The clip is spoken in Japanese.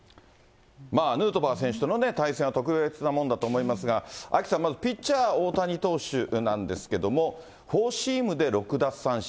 ヌートバー選手との対戦は特別なものだと思いますが、アキさん、まずピッチャー大谷投手なんですけれども、フォーシームで６奪三振。